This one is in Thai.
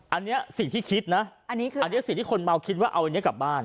อันนี้สิ่งที่คิดนะอันนี้คืออันนี้สิ่งที่คนเมาคิดว่าเอาอันนี้กลับบ้าน